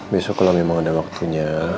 besok kalau memang ada waktunya